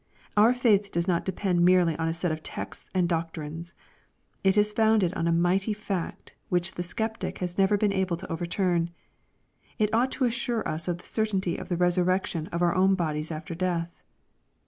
Our faith does not depend merely on a set of texts and doctrines, It ie founded on a mighty fact which the ipceptic has ijever been able to overturn. — It ought to assure us of the certainty of the resurrection of our own bodies after death.